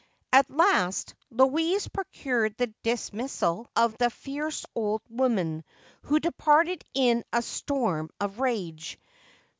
At last, Louise procured the dismissal of the fierce old woman, who departed in a storm of rage.